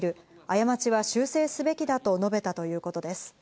過ちは修正すべきだと述べたということです。